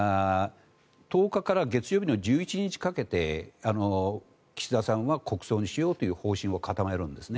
１０日から月曜日の１１日にかけて岸田さんは国葬にしようという方針を固めるんです。